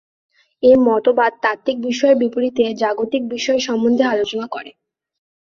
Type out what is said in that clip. এ মতবাদ তাত্ত্বিক বিষয়ের বিপরীতে জাগতিক বিষয় সম্বন্ধে আলোচনা করে।